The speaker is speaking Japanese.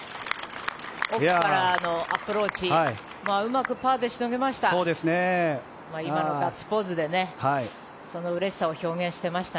奥からのアプローチうまくパーでしのぎました。